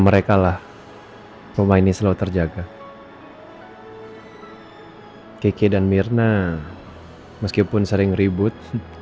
merekalah rumah ini selalu terjaga kk dan myrna meskipun sering ribut